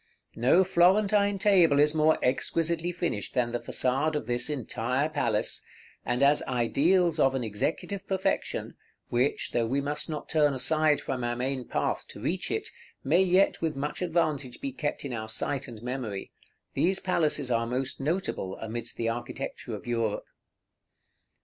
No Florentine table is more exquisitely finished than the façade of this entire palace; and as ideals of an executive perfection, which, though we must not turn aside from our main path to reach it, may yet with much advantage be kept in our sight and memory, these palaces are most notable amidst the architecture of Europe.